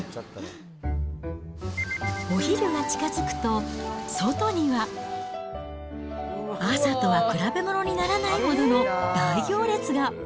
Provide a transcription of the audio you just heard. お昼が近づくと外には、朝とは比べ物にならないほどの大行列が。